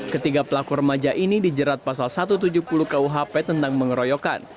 ketiga pelaku remaja ini dijerat pasal satu ratus tujuh puluh kuhp tentang mengeroyokan